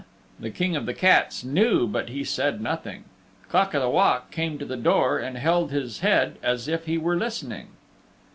The King of the Cats knew but he said nothing. Cock o' the Walk came to the door and held his head as if he were listening.